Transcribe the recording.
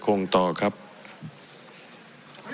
ผมจะขออนุญาตให้ท่านอาจารย์วิทยุซึ่งรู้เรื่องกฎหมายดีเป็นผู้ชี้แจงนะครับ